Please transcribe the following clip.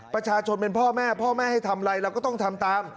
ประชาชนเป็นพ่อแม่พ่อแม่ให้ทำอะไรเราก็ต้องทำตาม